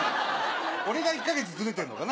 俺が１か月ズレてんのかな？